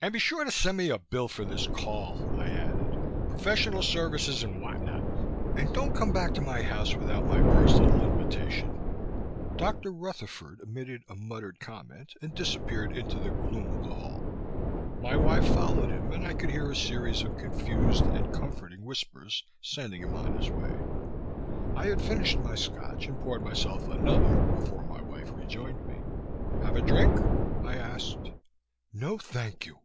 "And be sure to send me a bill for this call," I added. "Professional services and what not. And don't come back to my house without my personal invitation." Dr. Rutherford emitted a muttered comment and disappeared into the gloom of the hall. My wife followed him and I could hear a series of confused and comforting whispers sending him on his way. I had finished my Scotch and poured myself another before my wife rejoined me. "Have a drink?" I asked. "No thank you!"